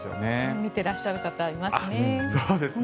見てらっしゃる方いますね。